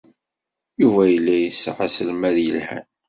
Yuba yella yesɛa aselmad yelhan.